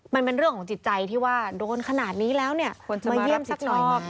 มันมันเรื่องของจิตใจที่ว่าโดนขนาดนี้แล้วเนี่ยควรจะมารับจิตจ่อยไหมมาเยี่ยมสักรอบ